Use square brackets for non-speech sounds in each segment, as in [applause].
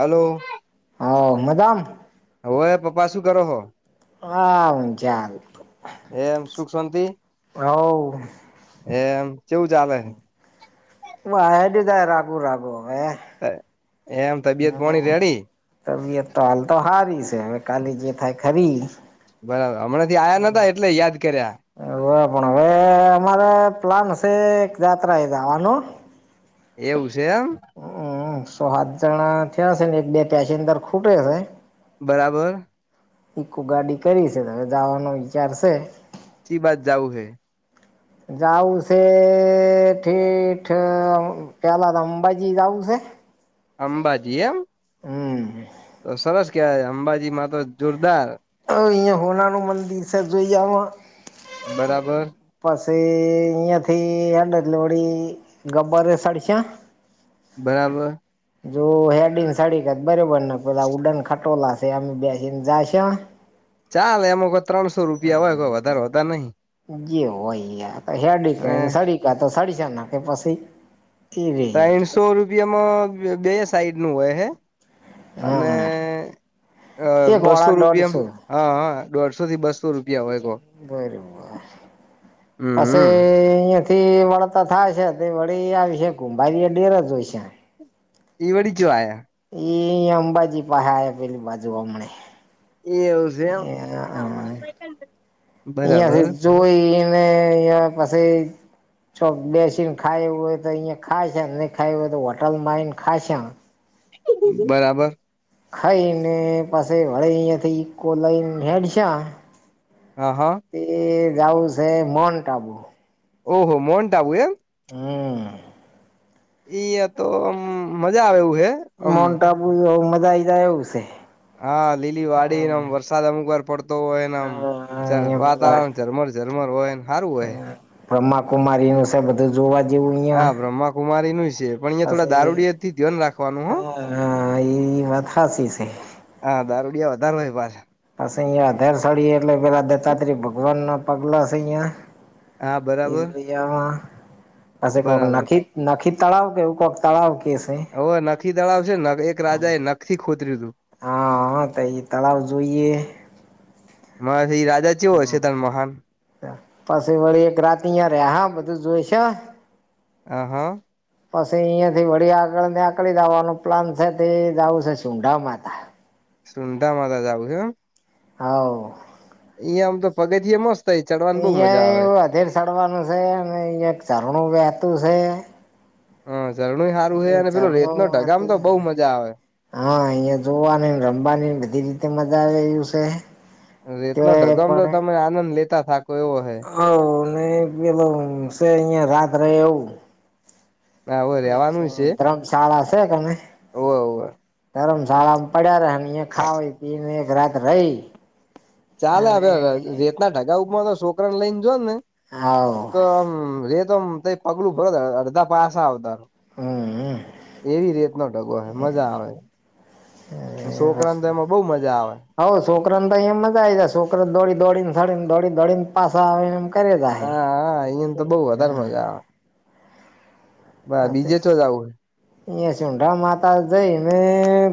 Hello, વે પપ્પા શું કરો હો? હા ચાલ. એમ સુખ શાંતિ એમ કેવું ચાલે? વા એ દધ રાગુ રાગુ હવે. એમ તબિયત હમ પોણી રેડી તબિયત તો હાલ તો હારી છે હવે કાલી જે થાય ખરી. બરાબર હમણાં થી આયા નતા એટલે યાદ કર્યા. હવે પણ હવે અમારે પ્લાન છે યાત્રા એ જવાનું. એવું છે એમ? તો હાત જણા થયા હ છે ને એક બે [unintelligible] ખૂટે છે. બરાબર. એક ગાડી કરી છે, તવે જવાનો વિચાર છે. સી બાત જાઉં હૈ? જઉું છે ઠીઠ પેલા તો અંબાજી જવું છે અંબાજી એમ હમ તો સરસ કેવાય અંબાજી માં તો જોરદાર અહિયાયા હોના નું મંદિર છે જોઈ આવા બરાબર પ [unintelligible] તે એયા થઈ હડ ત લોડી ગ્બર સડીશા [unintelligible] બરાબર જો હેડીન સડીક જ બરોબર ને પેલા ઉડન ખટોલા છે અમે બેસીને જ છે ચાલ એમાં કોઈ ત્રણસો રૂપિયા હોય કોઈ વધારે વધારે નહિ જે હોય ય શડી કે સડીકા તો સડીસા ના કે પછી એ રે ત્રઇસો રૂપિયામાં બે સાઈડ નું હોય હે અને હા અ એક બસો વાળા દોઢસો રૂપિયામાં હા હા દોઢોથી બસો રૂપિયા હોય કો બરોબર પાછ હમ થી વળતા થાય છે તે વળી આવી શક ભાઈ ડેર જ હોય છે ઈવડી જું આયા. એ અંબાજી પાસે પેલી બાજુ હમને [inaudible] એવું છે એમ આઈયા બરાબર જોઈ અને અહિયાં પાછી ચો બેસીને ખાયું હોય તો અહીંયા ખાય છે નહી ખાય હોય તો હોટલમાં એને ખાય છે. બરાબર. ખાઈને પાસે વળે અયાથી ઈકો લઈ હેડ છે હા હા તે જવું છે માઉન્ટ આબુ. ઓહો મોન્ટાબું એમ હમ યા તો આમ મજા આવે હે આમ મોન્ટ આબુ મજા આઈ જાય એવું છે હા લીલી વાડીનેમ વરસાદ અમુક વાર તો હોયનેમ અહિયાં પેલા વાતાવરણ ઝરમર ઝરમર હોય સારું હોય બ્રહ્માકુમારીનું છે બધું જોવા જ હા બ્રહ્માકુમારી નું છે પણ અંયા થોડા પછી દારૂડીથી ધન રાખવાનું હો હા હા એ વાત હાચી છે હા દારૂડિયા વધારેમાં પછ અહિયાંયા આધાર સાડીી એટલે પેલા દત્તાત્રય ભગવાન ના પગલા હશે હા અહિયાયા એ બરાબર ભીજમાં કોક બરાબર નખ નખ તળાવ કેવું કોક તળાવ કે છે હવે નખી તળાવ છે એક રાજા એ નખથી ખોતર્યું હતું હા હા તો એ તળાવ જોઈએ હરે રાજા જેવ છે તર મહાન પછી વળી એક રાત અં ર્યા હા બધું જોઈ છે આ હા પછી અહિયાયા થી વળી આગળ ને આકળી જવાનું પ્લાન છે તે જવું છે સુંડા માતા સુંડા મા જવું હમ હ અહંયા આમ તો પગથીએ મસ્ત થાય ચડવાની બહુ મજા અહિયાં આવે એવું અધેર ચડવાનું છે અને અહિયાં ચરણું વતું છે હ ઝરણું સારું હ એ અને પેલો રેત ઝરણું નો ઢગામ વહેતું તો છે બઉુ મજા આવે હા અહિયાં જોવાની રમવાની બધી રીતે મજા આવે એ્યું છે તે રેતનો પણ ઢગમ હ તો તમે આનંદ લેતા થાકો એવો હૈ અને પેલો છે અહિયાં રાત ર એવું હા હવે રેવાનું છે ધર્મશાળા છે તને ઓવે ઓવે ધરમશા શાળામાં પડ્યા ર ખાવા પીને એક રાત રહી ચાલે અને હવે રેતના ઢગાઉ ઉપર તો છોકરાને લઈને જો ને હાવ તો આમ રે તો આમ ત પગલું ભર અડધા પાસા આવતાાર હમ એવી રેતનો ઢગો મજા આવે છોકરા તો એમાં બહુ મજા આવે હવ છોકરાને અયા મજા આવી જાય છોકને દોડી દોડીનેોડીને દોડી દોડીને પાસા આવે એમ કરે જાય હા હા અહીયાને તો બહુ હા બ બીજે તો જ આવું હો એં શિમડાા માતા જ મે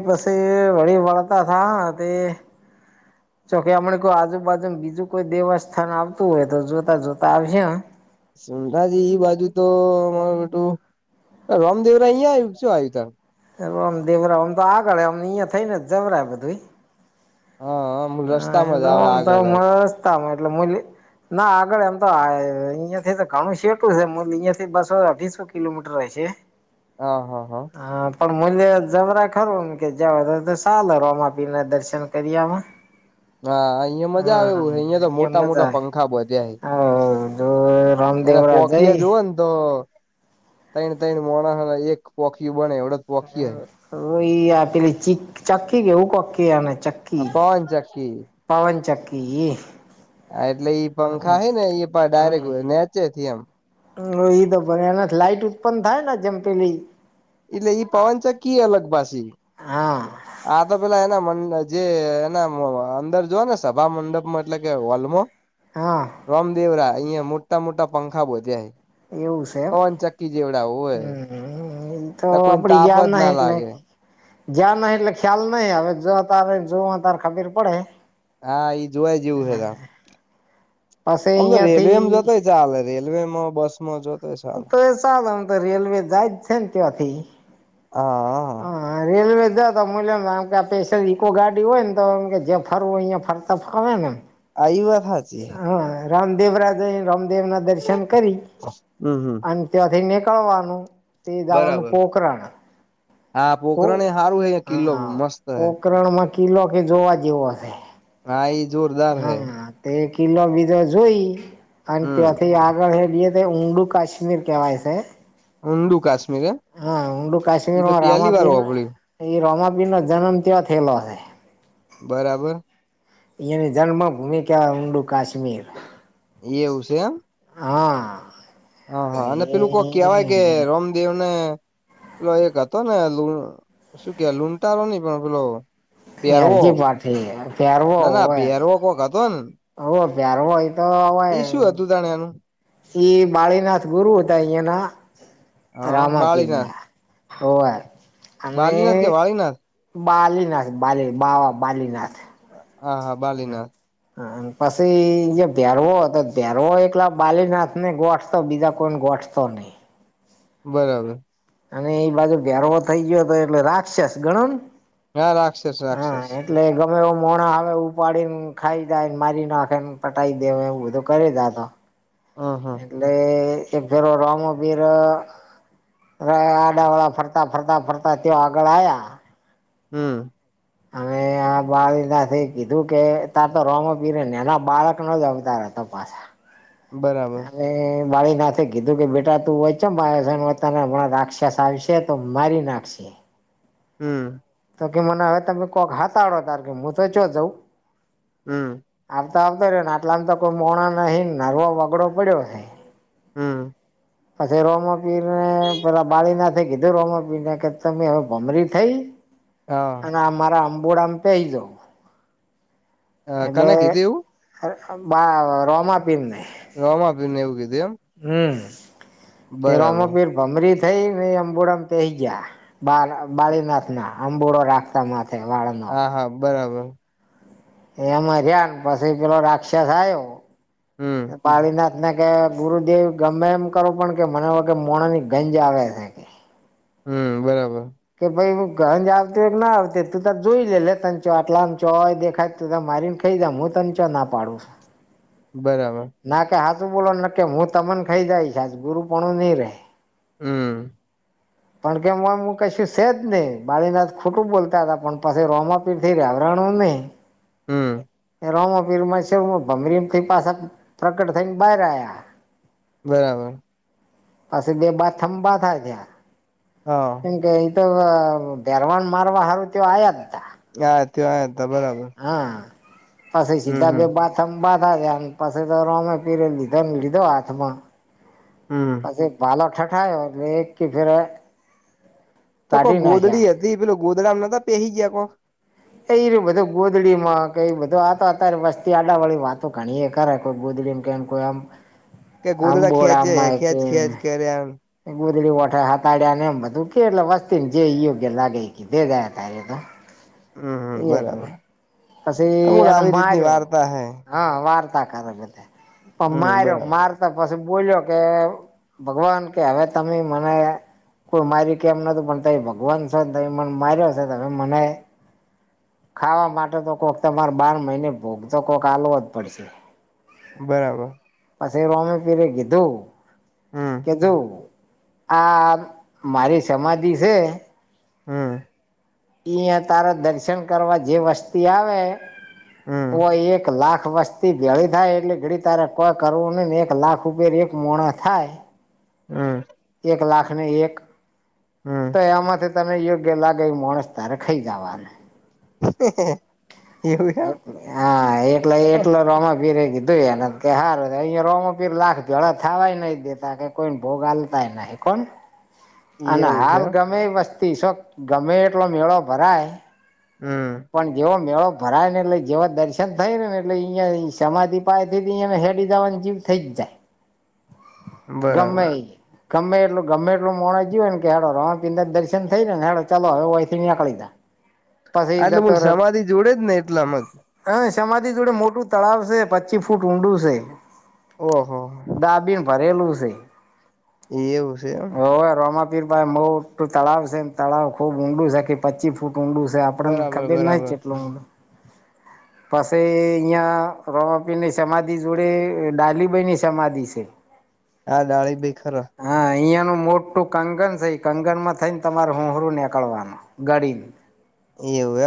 બસ વળ વળતા થા તે જોકે આપમને કોઈ આજુબાજુ બીજું કોઈ દેવસ્થાન આવતું હોય તો જોતા જોતા આવશે સુમધાજી એઈ બાજુ તો અમારું બટું રામદેવરાય અહીંયા આવ્યું છું આવ્યું ત એ રામ દેવરા આમ તો આગળ અમ અહિયા થઈને જવરા બધું હા હા એ રસ્તામાં જ આવે તોમ તો આગળ જ આવે રસ્તામાં એટલે મ ના આગળ એમ તો અહિયાયા થી તો ઘણું સેટું છે, અહિયાયા થી બસો અઢીસો કિલોમીટર રહી છે. હા હા હા. પણ મ્ય જબરા ખરું ને કે જવા તો સાલે રામાપીર ના દર્શન કરીયામા હા અહિયાં મજા આવે એવું અહિયાં તો મોટા મોટા પંખા [unintelligible] એના પોખીયા જોવ ને તો તૈણ- તૈણ મોણ એક પોખી બને વડદ પોખીય તો એ આપ પેલી ચીક ચકી કેવું કક કે આને હે ચક્કી પવન ચક્કી પવન ચક્કી. હા એટલે ઈ પંખા હ ને એ પણ ડાયરેક્ટ નેચે એમ. એ તો ભને એના લાઈટ ઉત્પન્ન થાય ને જમપેલી એટલે ઈ પવનચક્કી અલગ પાષી હા આ તો પેલા એના જે એના અંદર જો ને સભા મંડપમાં એટલે કે હોલમાં હા રામદેવરા અહીંયા મોટા-મોટા પંખા બોધ્યા. એવું છે એમ પવન ચક્કી જેવડા હોય. એ તો એટલે કોઈને આપડી તાપ ગયાર જ ના એટલે. લાગે જ્યાં નહિ એટલે ખ્યાલ નહી હવે જો તારે જો તારે ખબીર પડે. હા એઈ જોવાઈ જેવું હેત. પછી આમ તો રેલવેમ જોતો અહિયાંથી હોય ચાલે રેલવેમાં બસ માં જોતો તો એ ચ તો રેલવે જાય જ છે ને તેયાથી. હા રેલવે. મ ને આમ કે પેસલ ઈકો ગાડી હોય ને તો એમ જે ફરવું અહીયા ફરતા ફાવે ને એમ ઇ વાત હાચી. રામદેવ જઈ રાજા રામદેવ ના દર્શન કરી હમ હમ અને ત્યાંથી નીકળવાનું તે દાવાનું બરાબર પોકરાણ. હા તો પોખરણ એ હારું હે કિલ્લો હા મસ્ત હે પોકરણમાં કિલ્લો કે જોવા જેવો હશે. હા ઈ જોરદાર હે હા તે કિલો બીજો જોઈ અને હમ ત્યાથી આગળ હેડીએ ઊમડું કાશ્મીર કેવાય છે. ઊંડું કાશ્મીર એમ હા ઊંડું ઈ તો કાશ્મીરમાં પેલી વાર રામાપીર હોભળ્યું એ રોમાપીર નો જન્મ તયા થયેલો હે. બરાબર. એની જન્મ ભૂમિ કવા ઊંડુ કાશ્મીર. એ એવું છે એમ. હા. એ હા-હા અને પેલું કો કેહેવાય કે રામદેવ ને પેલો એક હતો ને લ શું કે લૂટારો નહી પણ પેલો પહેરવો અરજી પાઠી નાના પહેરવો કોક હતો ને હ પ્યાર હોય તો એ હય શું હતું તાણે એનું એ બાળીનાથ ગુરુ હતા અહિયાયાના હા રામાપીર બાળીનાથ ના. હોવે. અને બાલીનાથ કે વાળનાથ? બાલીનાથ બાલી બાવા બાલીનાથ. હા- હા બાલીનાથ. હ પછી જે ભેરવો હતો ભેરવો એકલા બાલીનાથ ને ગોઠ તો બીજા કોઈને ગો [unintelligible] બરાબર. અને એ બાજુ ઘેરવો થઈ ગયો હતો એટલે રાક્ષસ ગણો. હા રાક્ષસ-રાક્ષસ. મે મોણા હ ઉપાડીને ખાઈ જાયને મારી નાખેને પટાઈ દે એવ બધું કરી દા તો. હ હા એટલે એક જરો રમબીર- આડાવાડા ફરતા -ફરતા -ફરતા તયો આગળ આયા. હમ. આવે આ. બાળ ના કીધું કે ત તો રોમ પીરે ને એના બાળક નો જ અવતાર હતો પાછા બરાબર. અને બાળીનાથે કીધું કે બેટા તું હોયચ બાસને વતાને હમણાં રાક્ષસ આવશે તો મારી નાખશે હમ. તો કે મને હવે તમે કોઈક હાથ આડો ત કે હું તો ચયો જઉં હમ. આવતા આવતો રે ને આટલામ તો કોઈ મોણા નહી નરવો વગડો પડ્યો છે. હમ પછી રોમ પીને પેલા બાળી નાથે કીધું રોમ પીને કે તમે હવે ભમરી થઈ હા અને મારા અંબુડામ પે એ તો હ કનકી એવું બા રોમા પીલ નને રોમા આપી ને એવું કીધું એમ હમ બરાબર તેરોમાં પેર ભમરી થઈ નહી અંબુડામ પહી જયા બાળીનાથ ના અંબુડો રાખતા મા. હા હા બરાબર. એમાં જયા પછી પેલો રાક્ષસ આવયો હમ પાડી ના. એ કે ગુરુદેવ ગમે એમ કરો પણ કે મને વખ કે મોણા ની ગંજ આવે છે કે. હમ બરાબર. કે ભાઈ ઘરજ આવતી હોય કે ના આવતી તું તો જોઈ લે લે ત આટલામ ચોય દેખાય તું મારીને ખાઈ જ હું ત ચ ના પાડું. બરાબર. તો બોલો હું તમને ખાઈ જાય છ આ ગુરુ પણ નહી રે હમ પણ કેમમ કશું છેજ નહી બાળીનાથ ખોટું બોલતા હતા પણ પાછી રોમા પીર થઈ રહ્યા. રાણુને. હમ રમપીર ભમરીથી પાછા પ્રકટ થઈને બહાર આવયા બરાબર. પાછી બે બા થંબા થા ત્યા હા કેમ કે ભેરવાન મારવા હારું તે આવ્યા જ હતા. હા ત હતા બરાબર પછી હમ સીધા બે હમ બાથ બાધા થયા પછી તો રમે પીરે લીધો લીધો હાથમાં. હમ પછી બલાક ઠઠાય એક કે ફર. તો કોઈ ગોધડી હતી પેલ ગોધડા નતા પહેહી ગયા કોઈ એ એ બધું ગોધડી માં કે બધું આતો અત્યારે વસ્તી આડાવાળી વાતો ઘણી એ ખરે ગો કે કોમ કે આમ ગોદડા ખેંચે બોડા અ ખેંચ કે ખેંચ કર્યા ગોદડી વઠા હ હતાડ્યા ને એમ બધું કે એટલે વસ્તી ને જે યોગ્ય લાગે [unintelligible] હમ હમ એ બરાબર પછી અમૂલ એને આવી રીતની માર્યો વાર્તા હે હ વાર્ પણ હમ માર્યો બરાબર માર તો પછી બોલ્યો કે ભગવાન કે હવે તમે મને કોઈ મારી કેમ નતું પણ ત ભગવાન છેો તમે મને માર્યો છે તમે મને ખાવા માટે તો કોઈક તમારે બાર મહિને ભોગ તો કોઈક આાલવો જ પડશે બરાબર પછી રોમે પીરે કીધું હમ કેધું આ મારી સમાધિ છે હમ ઈં તારા દર્શન કરવા જે વસ્તી આવે. ઓ હમ એક લાખ વસ્તી ગળી થાય એટલે ઘડી તારે કોઈ કરવું નહી ને એક લાખેર. મોણા થાય. હમ્મ. એક લાખ ને એક હમ તો એમાંથી તને યોગ્ય લાગે માણસ તારે ખાઈ જવાનું. એવું એમ હા એટલે એટલે રોમાપિરે. દુ એને કે સારું અહીયા રોમોપીર લાખ જળ થવાય નહી દેતા કે કોઈને ભોગ હાલતાય નહીં કોણ. અને એવું છે હાલ એમ ગમે વસ્તી શો ગમે એટલો મેળો ભરાય. હમ પણ જેવો મેળો ભરાય ને એટલે જેવા દર્શન થાય ને ને એટલે અયા સમાધિ પાય હેડી જવાની જીવ થઈ જ જાય [inaudible] બરાબર ગમે ઇ ગમે એટલું ગમે એટલ મોણ જ ગય હો ને કે હેડો રોમાપિરના દર્શન થઈ ને, હે ચાલો હવેય થી નીકળી જા પછી આટલે એ બોલ સમાધિ જોડે જ ને એટલામ જ સમાથી જોડે મોટું તળાવ છે, પચી ફૂટ ઊંડું છે. ઓહો દાબીને ભરેલું છે. એવું છે એમ ભાઈ મોટું તળાવ છેમ, તળાવ ખુબ ઊંડું છે કે પચી ફૂટ ઊંડું છે આપણને બરાબર ખબીર ના બરાબર કેટલો [inaudible] પસે અહંયા રોમાપીર ની સમાધિ જોડે, ડાલીબાઈની સમાધિ છે. હા ડાળી ભઈ ખરા હા અહિયાંનું મોટું કંગન છે એ કંગન માં થઈને તમારે હુંરું નીકળવાનું ગડી એવું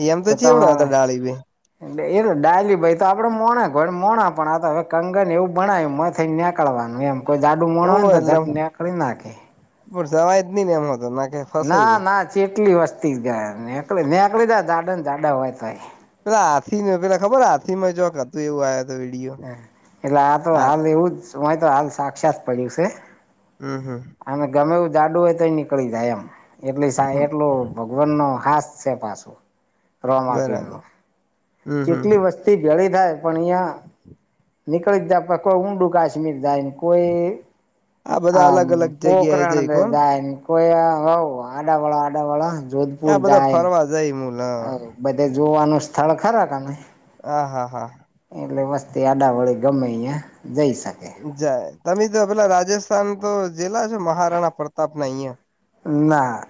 એમ એમ તો જેવડા હતા ડાળી ભી એ ડાયલી ભાઈ તો આપડે મોણા ઘ મોણ [unintelligible] નિકડવાનું એમ કોઈ જાડુ મોણ હોય ને તો જટને નિકડી ના હકે [unintelligible] નઈ એમ હતો નાકે ફસાઈ જ ના ના ચેટલી વસ્તી જાય નીકળ નીકળી જ જાડા ને જાડા હોય તોય પેલા હાથી ન પેલા ખબર હાથીમાં જક હતું એવું આ હ એટલે આ તો હાલ એવું જ હોય તો હાલ સાક્ષાત પડ્યું છે. હમ હમ અને ગમે જાડુ હો તો નીકળી જાય એમ એટલે ભગવાન નો હાસ છે પાછું રોમાપીર નો બરાબર હમ હમ કેટલી વસ્તી ભેળી થાય પણ અહિયાં નીકળી જ જાય કોઈ ઊંડું કાશમીર જાય ને કોઈ આ હ બધા અલગ અલગ જગ્યાએ પોખરણ જઈ કોણ જાય કોઈ હ આડાવાળા આડાવાળા. જોધપુર આ બધા જાય ફરવા જાય મુલ બધે જોવાનું સ્થળ ખરાખને. હા હા હા. એટલે વસ્તી આડા વડે ગમે અહીયા જઈ શકે. જાય તમે તો પેલા રાજસ્થાન તો જિલ્લા છે મહારાણા પ્રતાપ ના અહિયાં? ના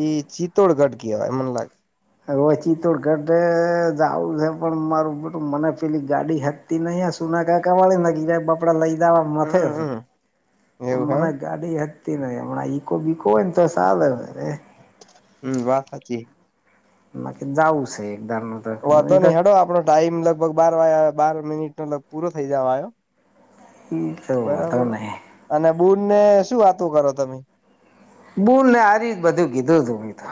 એ ચિત્તોડગઢ કેવાય મને લાગે. ઓચી તોડ ઘટે જું છે પણ મારું બટું મને પેલી ગાડી હતી નહી સુના ક કવા ની બપડા લઈ. પદાવા નથી હમ હશે હમ પણ એવું હે મને ગાડી ન હમણાં ઈકો બીકો હોયને તો સાલે એમ. હમ્મ વાત સાચી. નાકી જાઓ છે. એકદાર ન વધો તો નહી હડો આપણો ટાઈમ લગભગ બાર વાગ બાર મિનિટ નો લ પૂરો થઇ જવા આયો તો બરાબર નહી અને બુન શું વાતો કરો તમે બૂલને આરિ બધું કીધું હતું તો